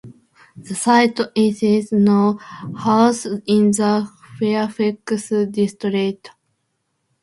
The site isis now houses in the Fairfax District.